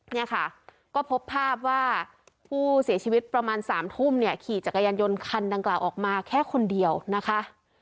เนี่ยค่ะก็พบภาพว่าผู้เสียชีวิตประมาณ๓ทุ่มเนี่ยขี่จักรยานยนต์คันดังกล่าวออกมาแค่คนเดียวนะคะ